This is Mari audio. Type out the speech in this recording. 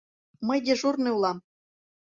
Мый дежурный улам.